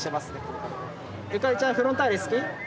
ウタエちゃんフロンターレ好き？